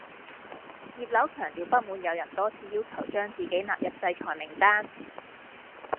葉劉強調不滿有人多次要求將自己納入制裁名單